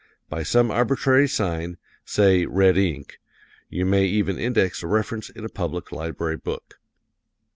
By some arbitrary sign say red ink you may even index a reference in a public library book.